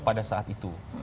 pada saat itu